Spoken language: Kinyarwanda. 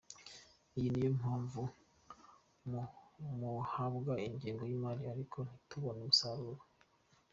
Iyi niyo mpamvu muhabwa ingengo y’imari ariko ntitubone umusaruro”.